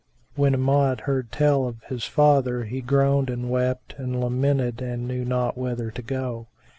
When Amjad heard tell of his father, he groaned and wept and lamented and knew not whither to go.